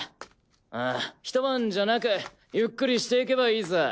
あぁひと晩じゃなくゆっくりしていけばいいさ。